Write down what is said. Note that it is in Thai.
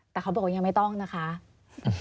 แต่เค้าบอกก็ยังไม่ต้องนะภาษา